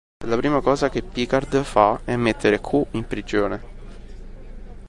E la prima cosa che Picard fa è mettere Q in prigione.